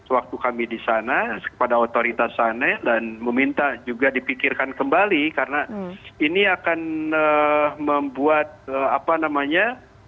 waktu kami di sana kepada otoritas sana dan meminta juga dipikirkan kembali karena ini akan membuat apa namanya